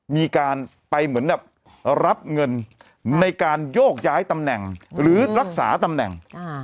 มีการไปเหมือนแบบรับเงินในการโยกย้ายตำแหน่งหรือรักษาตำแหน่ง